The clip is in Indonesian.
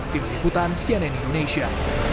tim liputan cnn indonesia